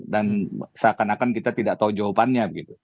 dan seakan akan kita tidak tahu jawabannya